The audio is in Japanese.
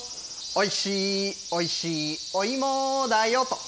おいしい、おいしいお芋だよと。